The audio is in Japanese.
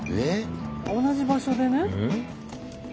同じ場所でね。